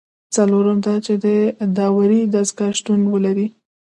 څلورم دا چې د داورۍ دستگاه شتون ولري.